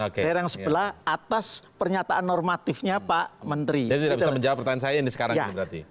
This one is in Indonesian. oke yang sebelah atas pernyataan normatifnya pak menteri menjawab pertanyaan saya ini sekarang